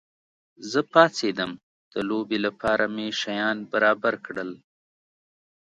زه پاڅېدم، د لوبې لپاره مې شیان برابر کړل.